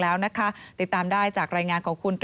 แล้วนะคะติดตามได้จากรายงานของคุณ